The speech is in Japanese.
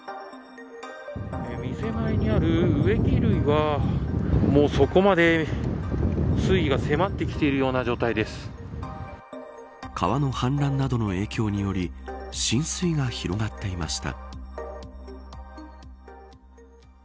店前にある植木類はそこまで水位が迫ってきているよう川の氾濫などの影響により浸水が広がっていました。